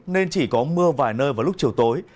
nên chỉ có mưa vài nơi vào lúc chiều tối